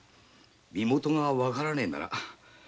身元がわからねぇなら。